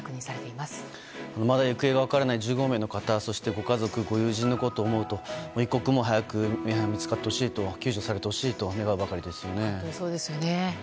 いまだ行方が分からない１５名の方そしてご家族・ご友人のことを思うと一刻も早く見つかってほしいと救助されてほしいと願うばかりですよね。